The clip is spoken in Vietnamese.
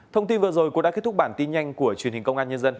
thông tin vừa rồi cũng đã kết thúc bản tin nhanh của truyền hình công an nhân dân